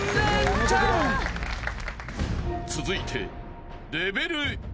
［続いて］